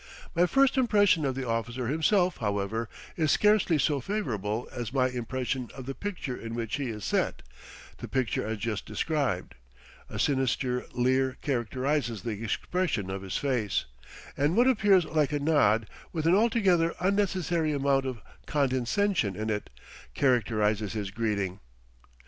My first impression of the officer himself, however, is scarcely so favorable as my impression of the picture in which he is set the picture as just described; a sinister leer characterizes the expression of his face, and what appears like a nod, with an altogether unnecessary amount of condescension in it, characterizes his greeting.